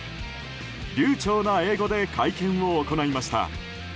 流ちょうな英語で会見を行いました。